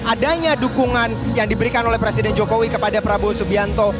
adanya dukungan yang diberikan oleh presiden jokowi kepada prabowo subianto